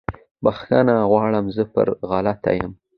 بخښنه غواړم زه پر غلطه یم